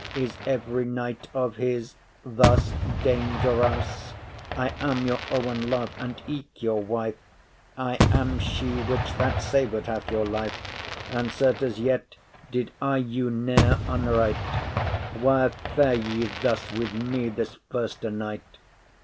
Is every knight of his thus dangerous?* *fastidious, niggardly I am your owen love, and eke your wife I am she, which that saved hath your life And certes yet did I you ne’er unright. Why fare ye thus with me this firste night?